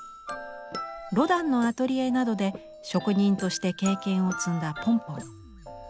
ロダンのアトリエなどで職人として経験を積んだポンポン。